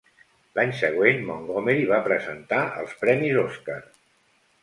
L'any següent, Montgomery va presentar els Premis Oscar.